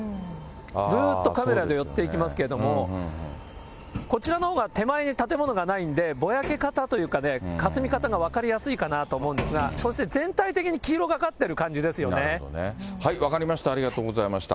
ぐーっとカメラで寄っていきますけれども、こちらのほうが手前に建物がないんで、ぼやけ方というかね、かすみ方が分かりやすいかなと思うんですが、そして全体的に黄色分かりました、ありがとうございました。